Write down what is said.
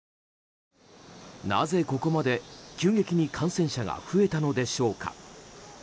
なぜ、ここまで急激に感染者が増えたのでしょうか。